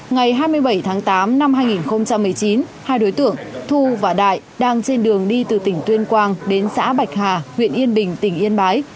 ngày hai mươi bảy tháng tám năm hai nghìn một mươi chín hai đối tượng thu và đại đang trên đường đi từ tỉnh tuyên quang đến xã bạch hà huyện yên bình tỉnh yên bái